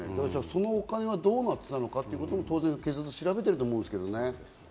そのお金はどうなっていたのかということも警察は調べていると思うんですけどね。